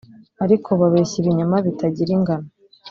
ariko babeshya ibinyoma bitagira ingano